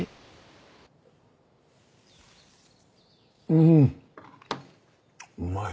うんうまい。